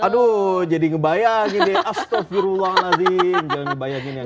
aduh jadi ngebayangin deh astagfirullahaladzim jangan ngebayangin ya